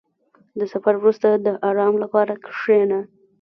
• د سفر وروسته، د آرام لپاره کښېنه.